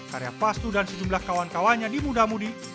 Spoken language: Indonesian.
karya pastu dan sejumlah kawan kawannya di mudamudi